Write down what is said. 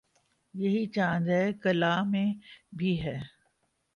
یہی چاند ہے کلاں میں بھی ہے